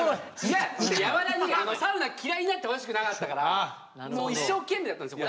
山田にサウナ嫌いになってほしくなかったから一生懸命だったんですよ